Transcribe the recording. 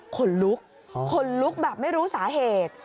ขนลุกขนลุกแบบไม่รู้สาเหตุ